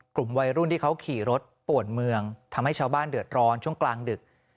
กลุ่มวัยรุ่นที่เขาขี่รถป่วนเมืองทำให้ชาวบ้านเดือดร้อนช่วงกลางดึก